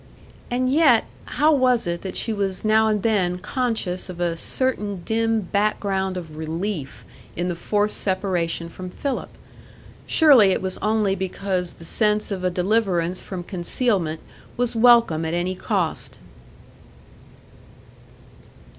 And yet, how was it that she was now and then conscious of a certain dim background of relief in the forced separation from Philip? Surely it was only because the sense of a deliverance from concealment was welcome at any cost.